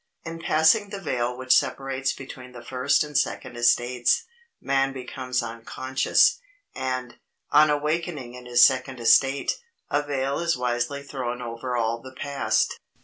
In passing the veil which separates between the first and second estates, man becomes unconscious, and, on awakening in his second estate, a veil is wisely thrown over all the past.